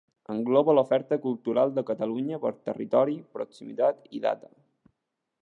Engloba l'oferta cultural de Catalunya per territori, proximitat i data.